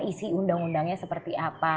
isi undang undangnya seperti apa